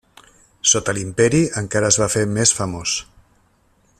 Sota l'imperi encara es va fer més famós.